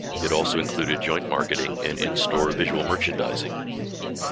It also included joint marketing and in-store visual merchandising.